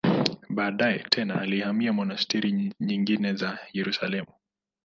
Baadaye tena alihamia monasteri nyingine za Yerusalemu.